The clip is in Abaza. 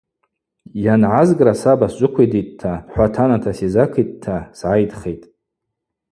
Йангӏазгра саба сджвыквидитӏта, хӏватаната сизакитӏта сгӏайдхитӏ.